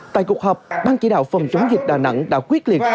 tại cuộc họp ban chỉ đạo phòng chống dịch đà nẵng đã quyết liệt